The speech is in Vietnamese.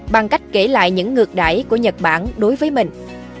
bằng cách kể lại những ngược đải của nhật bản đối với mình